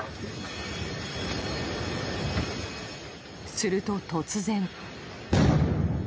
すると突然。